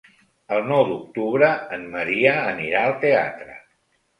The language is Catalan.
El nou d'octubre en Maria anirà al teatre.